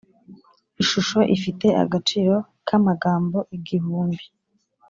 ishusho ifite agaciro kamagambo igihumbi